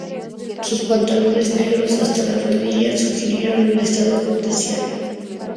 Sus pantalones negros hasta la rodilla sugieren un estado cortesano.